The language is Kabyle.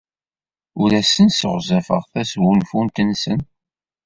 Ur asen-sseɣzafeɣ tasgunfut-nsen.